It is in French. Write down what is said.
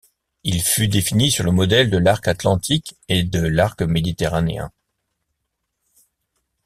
Il fut défini sur le modèle de l'arc atlantique et de l'arc méditerranéen.